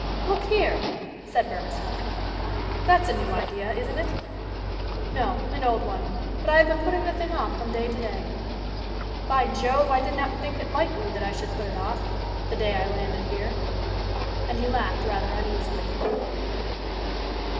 "Look here!" said Burmistone, "that's a new idea, isn't it?" "No, an old one; but I have been putting the thing off from day to day. By Jove! I did not think it likely that I should put it off, the day I landed here." And he laughed rather uneasily.